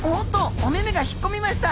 お目々が引っ込みました。